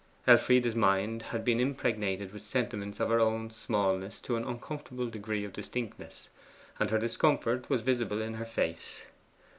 Elfride's mind had been impregnated with sentiments of her own smallness to an uncomfortable degree of distinctness, and her discomfort was visible in her face.